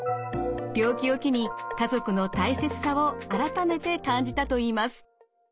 病気を機に家族の大切さを改めて感じたといいます。